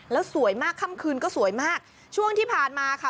แล้วสวยมากค่ำคืนก็สวยมากช่วงที่ผ่านมาค่ะ